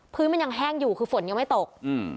พื้นมันยังแห้งอยู่คือฝนยังไม่ตกอืม